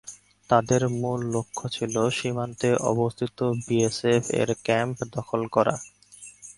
তাদের মূল লক্ষ্য ছিল সীমান্তে অবস্থিত বিএসএফ এর ক্যাম্প দখল করা।